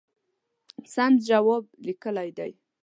سم جواب لیکلی دی.